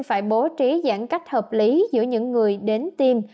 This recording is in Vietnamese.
phải bố trí giãn cách hợp lý giữa những người đến tiêm